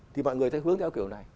thì mọi người thấy hướng theo kiểu này